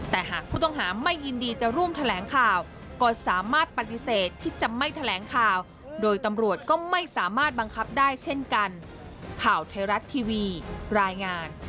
แต่หากผู้ต้องหาไม่ยินดีจะร่วมแถลงข่าวก็สามารถปฏิเสธที่จะไม่แถลงข่าวโดยตำรวจก็ไม่สามารถบังคับได้เช่นกัน